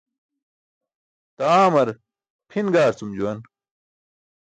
Taamar pʰin gaarcum juwan.